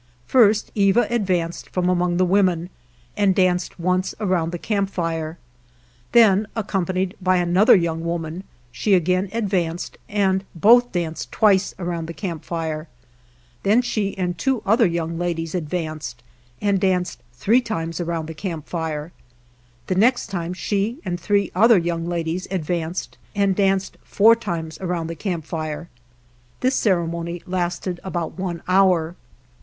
First Eva advanced from among the women and danced once around the camp fire; then, accompanied by another young woman, she again advanced and both danced twice around the camp fire; then she and two other young ladies advanced and danced three times around the camp fire; the next time she and three other young ladies ad vanced and danced four times around the camp fire; this ceremony lasted about one hour.